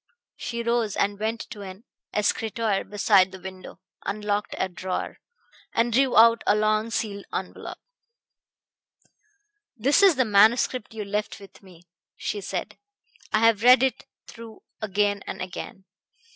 She rose and went to an escritoire beside the window, unlocked a drawer, and drew out a long, sealed envelop. "This is the manuscript you left with me," she said. "I have read it through again and again.